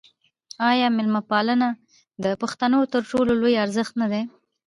آیا میلمه پالنه د پښتنو تر ټولو لوی ارزښت نه دی؟